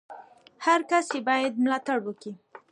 هر کس ئې بايد ملاتړ وکي!